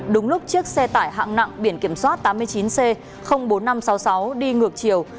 đúng lúc chiếc xe tải hạng nặng biển kiểm soát tám mươi chín c bốn nghìn năm trăm sáu mươi sáu đi ngược chiều